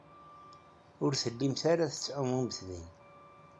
Ur tellimt ara tettɛumumt din.